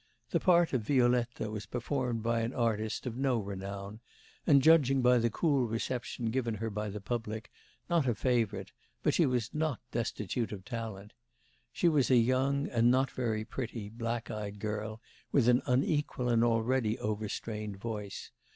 The part of Violetta was performed by an artist, of no renown, and judging by the cool reception given her by the public, not a favourite, but she was not destitute of talent. She was a young, and not very pretty, black eyed girl with an unequal and already overstrained voice.